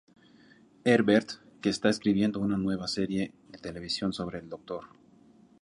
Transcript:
Herbert, que está escribiendo una nueva serie de televisión sobre el Dr.